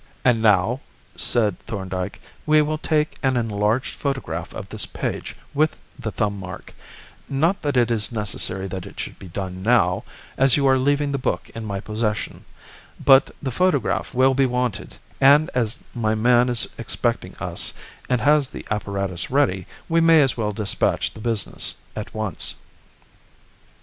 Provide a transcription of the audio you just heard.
"And now," said Thorndyke, "we will take an enlarged photograph of this page with the thumb mark; not that it is necessary that it should be done now, as you are leaving the book in my possession; but the photograph will be wanted, and as my man is expecting us and has the apparatus ready, we may as well despatch the business at once."